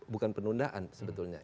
bukan penundaan sebetulnya